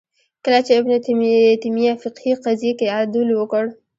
کله چې ابن تیمیه فقهې قضیې کې عدول وکړ